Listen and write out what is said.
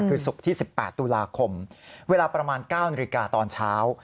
คือศุกร์ที่๑๘ตุลาคมเวลาประมาณ๙นาฬิกาตอนเช้า